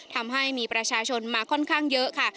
ทำให้มีประชาชนมาค่อนข้างเยอะค่ะ